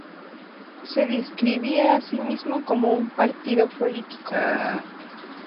Se describía a sí mismo como un partido político.